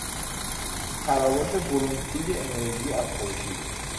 تراوش برون سوی انرژی از خورشید